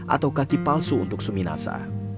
atau kaki palsu untuk suminasa